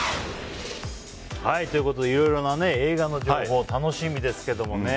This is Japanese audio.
いろいろな映画の情報楽しみですけどもね。